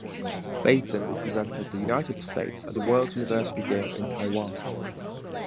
Baisden represented the United States at the World University Games in Taiwan.